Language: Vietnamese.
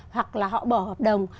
hoặc là họ bỏ hợp đồng